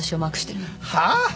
はあ？